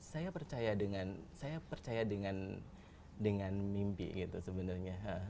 saya percaya dengan saya percaya dengan mimpi gitu sebenarnya